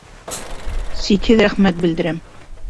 Сикһеҙ рәхмәт белдерәм